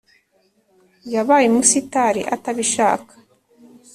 Yabaye umusitari atabishaka